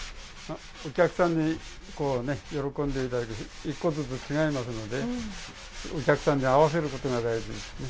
お客さんにこうね喜んで頂ける１個ずつ違いますのでお客さんに合わせることが大事ですね。